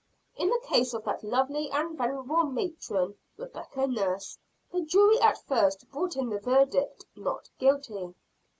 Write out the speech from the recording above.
In the case of that lovely and venerable matron, Rebecca Nurse, the jury at first brought in the verdict "Not guilty."